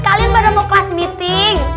kalian baru mau kelas meeting